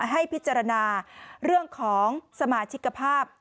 ให้พิจารณาเรื่องของสมาชิกภาพ